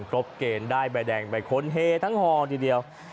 ครบเกณฑ์ได้ใบแดงใบคนเฮทั้งฮอทีเดียว